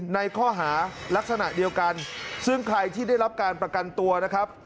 ในข้อหารักษณะเดียวกันซึ่งใครที่ได้รับการประกันตัวนะครับ